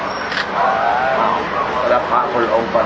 เราบรับห้างล่องเป็น